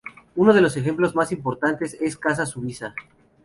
Uno de los ejemplos más importantes es Casa Subiza.